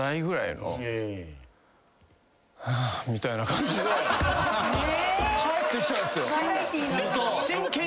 みたいな感じで帰ってきたんすよ。